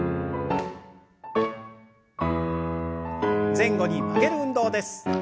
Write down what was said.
前後に曲げる運動です。